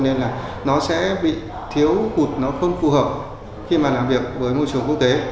nên là nó sẽ bị thiếu hụt nó không phù hợp khi mà làm việc với môi trường quốc tế